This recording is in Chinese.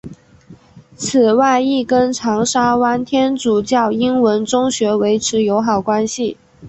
此外亦跟长沙湾天主教英文中学维持友好关系。